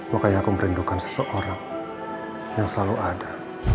makanya aku merindukan seseorang yang selalu ada